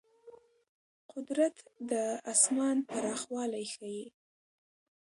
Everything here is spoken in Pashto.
قدرت د آسمان پراخوالی ښيي.